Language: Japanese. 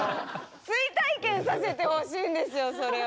追体験させてほしいんですよそれを。